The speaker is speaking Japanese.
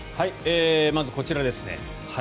まずこちらですね。